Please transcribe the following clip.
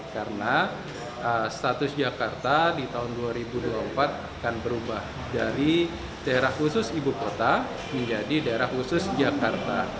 karena status jakarta di tahun dua ribu dua puluh empat akan berubah dari daerah khusus ibupota menjadi daerah khusus jakarta